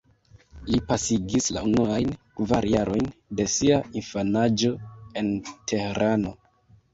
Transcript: Li pasigis la unuajn kvar jarojn de sia infanaĝo en Tehrano.